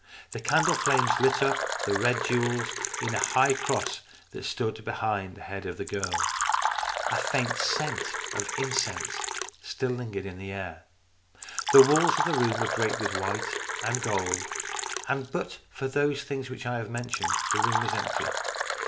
The candle flames lit up the red jewels in a high cross that stood behind the head of the girl. A faint scent 212 STORIES IN GREY of incense still lingered in the air. The walls of the room were draped with white and gold, and but for those things which I have mentioned, the room was empty.